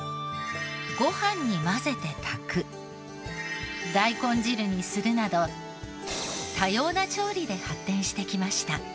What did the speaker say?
ご飯に混ぜて炊く大根汁にするなど多様な調理で発展してきました。